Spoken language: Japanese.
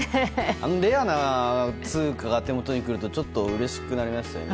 レアな硬貨が手元に来るとちょっとうれしくなりますよね。